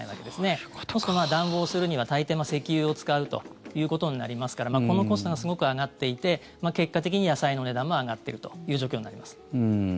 そうすると暖房をするには大抵、石油を使うということになりますからこのコストがすごく上がっていて結果的に野菜の値段も上がっているという状況になります。